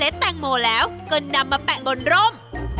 จนนำมาแปะบนร่ม